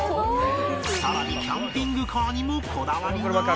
さらにキャンピングカーにもこだわりが